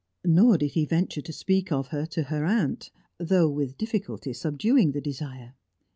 Nor did he venture to speak of her to her aunt, though with difficulty subduing the desire.